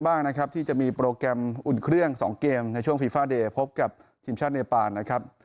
บ้างนะครับที่จะมีโปรแกรมอุ่นเครื่อง๒เกมในช่วงฟีฟาเดย์พบกับทีมชาติเนปานนะครับ